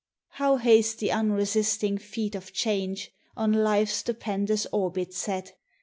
How haste the unresting feet of Change, On life's stupendous orbit set!